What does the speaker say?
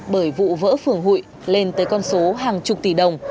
bởi vụ vỡ phưởng hụy lên tới con số hàng chục tỷ đồng